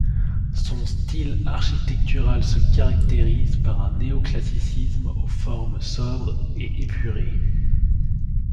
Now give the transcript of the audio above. Son style architectural se caractérise par un néoclassicisme aux formes sobres et épurées.